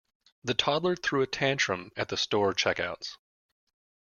The toddler threw a tantrum at the store checkouts.